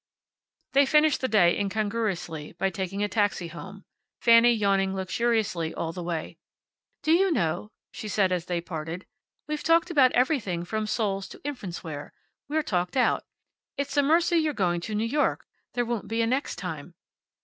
They finished the day incongruously by taking a taxi home, Fanny yawning luxuriously all the way. "Do you know," she said, as they parted, "we've talked about everything from souls to infants' wear. We're talked out. It's a mercy you're going to New York. There won't be a next time."